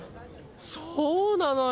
そうなのよ！